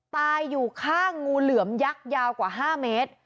ตายอยู่ข้างงูเหลือมยักษ์ยาวกว่า๕เมตร